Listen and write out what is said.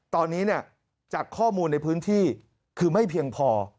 ตอนนี้จากข้อมูลในพื้นที่คือไม่เพียงพอ